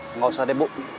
enggak usah deh bu